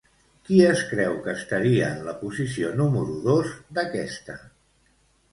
Qui es creu que estaria en la posició número dos d'aquesta?